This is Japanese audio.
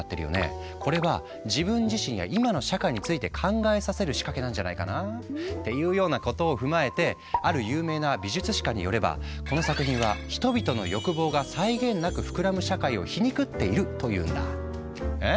これは自分自身や今の社会について考えさせる仕掛けなんじゃないかな？っていうようなことを踏まえてある有名な美術史家によればこの作品は人々の欲望が際限なく膨らむ社会を皮肉っているというんだ。え？